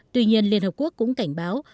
tuy nhiên liên hợp quốc cũng cảnh báo